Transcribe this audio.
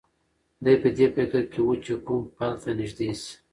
دی په دې فکر کې و چې کوم پل ته نږدې شي.